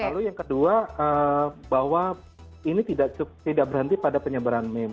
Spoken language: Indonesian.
lalu yang kedua bahwa ini tidak berhenti pada penyebaran meme